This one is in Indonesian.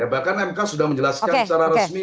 bahkan mk sudah menjelaskan secara resmi